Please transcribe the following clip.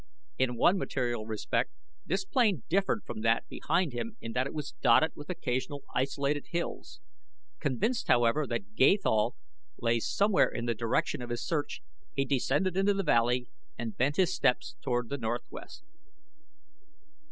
In one material respect this plain differed from that behind him in that it was dotted with occasional isolated hills. Convinced, however, that Gathol lay somewhere in the direction of his search he descended into the valley and bent his steps toward the northwest.